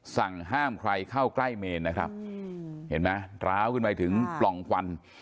สั่งห้ามใครเข้าใกล้เมนนะครับเห็นไหมร้าวขึ้นไปถึงปล่องควัน